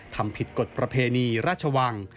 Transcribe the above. ทำผิดกฎประเพณีราชวัง